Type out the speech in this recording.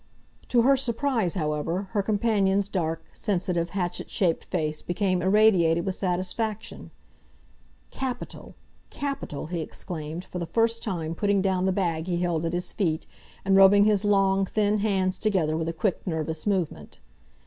To her surprise, however, her companion's dark, sensitive, hatchet shaped face became irradiated with satisfaction. "Capital! Capital!" he exclaimed, for the first time putting down the bag he held at his feet, and rubbing his long, thin hands together with a quick, nervous movement.